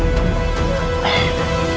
kau akan menang